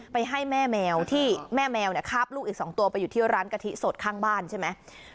ให้แม่แมวที่แม่แมวคาบลูกอีก๒ตัวไปอยู่ที่ร้านกะทิสดข้างบ้านใช่ไหม